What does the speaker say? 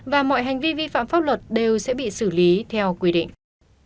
và mọi hành vi vi phạm pháp luật đều sẽ bị xử lý theo quy định